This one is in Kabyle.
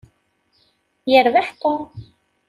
Yerbeḥ Tom.